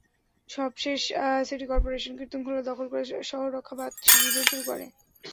সর্বশেষ city corporation Kirtankhola দখল করে শহর রক্ষা বাঁধ নির্মাণ শুরু করে।